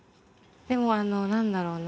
でもあの何だろうな